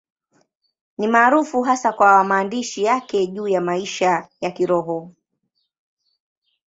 Ni maarufu hasa kwa maandishi yake juu ya maisha ya Kiroho.